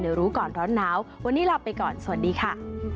รู้ก่อนร้อนหนาววันนี้ลาไปก่อนสวัสดีค่ะ